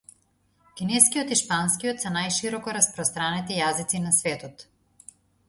Кинескиот и шпанскиот се најшироко распостранети јазици на светот.